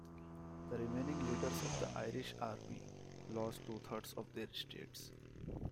The remaining leaders of the Irish army lost two-thirds of their estates.